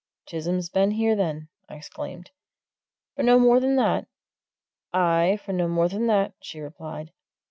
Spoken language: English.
"Chisholm's been here, then?" I exclaimed. "For no more than that?" "Aye, for no more than that," she replied.